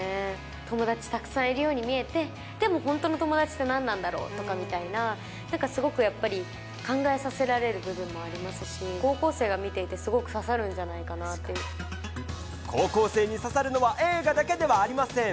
友達たくさんいるように見えて、でも本当の友達って何なんだろうみたいなとか、なんかすごくやっぱり考えさせられる部分もありますし、高校生が見ていて、すごく高校生に刺さるのは映画だけではありません。